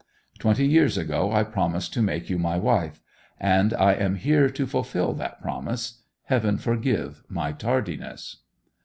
Twenty years ago I promised to make you my wife; and I am here to fulfil that promise. Heaven forgive my tardiness!